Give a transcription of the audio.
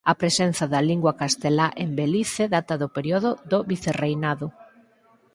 A presenza da lingua castelá en Belize data do período do vicerreinado.